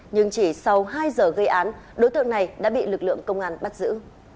nhưng chỉ sau hai giờ gây án đối tượng này đã bị lực lượng công an bắt giữ